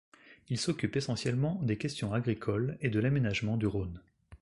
Il s'occupe essentiellement des questions agricoles et de l'aménagement du Rhône.